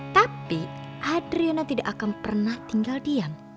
tapi adriona tidak akan pernah tinggal diam